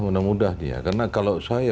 mudah mudah nih ya karena kalau saya